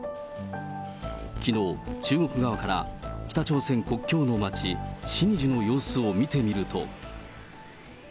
きのう、中国側から北朝鮮国境の街、シニジュの様子を見てみると。